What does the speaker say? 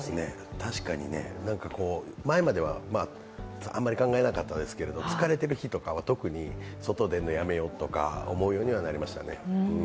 確かに、前までは、あまり考えなかったですけれども、疲れている日とかは特に外に出るのはやめようとか、思うようになりましたね。